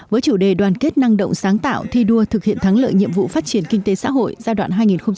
với chủ đề đoàn kết năng động sáng tạo thi đua thực hiện thắng lợi nhiệm vụ phát triển kinh tế xã hội giai đoạn hai nghìn một mươi sáu hai nghìn hai mươi